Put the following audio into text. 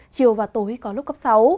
chiều và tối có lúc cấp sáu